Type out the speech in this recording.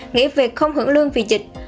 nghĩ việc không hưởng lương vì dịch